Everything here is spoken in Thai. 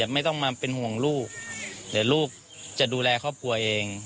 ไม่ต้องมาเป็นห่วงลูกเดี๋ยวลูกจะดูแลครอบครัวเอง